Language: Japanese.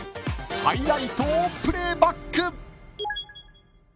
［ハイライトをプレーバック］